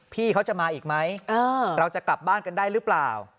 พี่เขาจะมาอีกไหมเราจะกลับบ้านกันได้หรือเปล่า